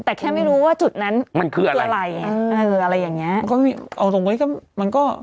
ตาสว่างไว้แล้วไหมตาสว่างไว้แล้ว